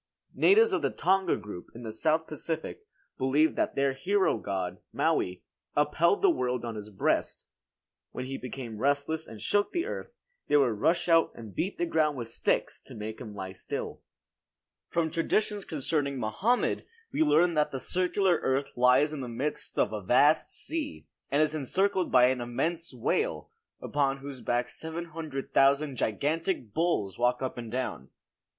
Natives of the Tonga group, in the South Pacific, believed that their hero god, Maui, upheld the world on his breast. When he became restless and shook the earth, they would rush out and beat the ground with sticks to make him lie still. [Illustration: EFFECT OF A POWERFUL EARTHQUAKE ON MASSIVE MASONRY, ITALY.] From traditions concerning Mohammed we learn that the circular earth lies in the midst of a vast sea, and is encircled by an immense whale, upon whose back 700,000 gigantic bulls walk up and down.